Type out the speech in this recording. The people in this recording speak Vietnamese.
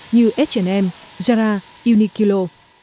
như h m jara uniqlo